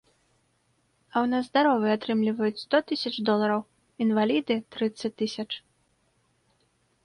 А ў нас здаровыя атрымліваюць сто тысяч долараў, інваліды трыццаць тысяч.